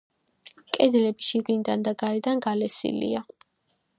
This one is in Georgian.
კედლები შიგნიდან და გარედან გალესილია.